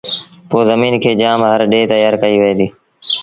پو زميݩ کي جآم هر ڏي تيآر ڪئيٚ وهي ديٚ